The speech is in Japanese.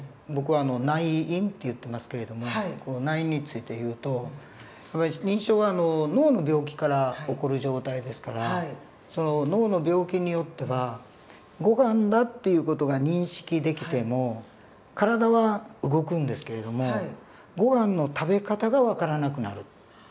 僕は内因って言ってますけれども内因について言うと認知症は脳の病気から起こる状態ですから脳の病気によってはごはんだっていう事が認識できても体は動くんですけれどもごはんの食べ方が分からなくなる。